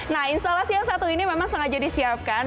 nah instalasi yang satu ini memang sengaja disiapkan